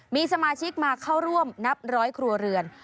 มีสมาชิกมาเข้าร่วมนับร้อยครัวเรือน